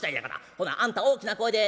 ほなあんた大きな声で